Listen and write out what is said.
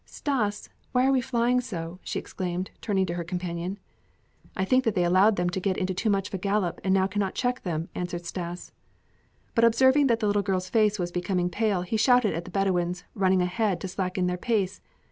"Stas, why are we flying so?" she exclaimed, turning to her companion. "I think that they allowed them to get into too much of a gallop and now cannot check them," answered Stas. But observing that the little girl's face was becoming pale, he shouted at the Bedouins, running ahead, to slacken their pace.